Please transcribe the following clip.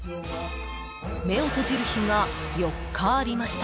［目を閉じる日が４日ありました］